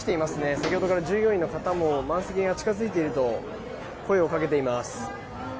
先ほどから従業員の方も満席が近付いていると声をかけています。